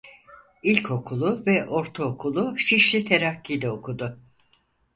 İlkokulu ve ortaokulu Şişli Terakki'de okudu.